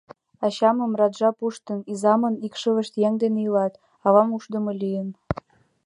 Ачамым раджа пуштын, изамын икшывышт еҥ дене илат, авам ушдымо лийын...